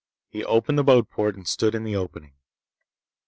He opened the boatport and stood in the opening.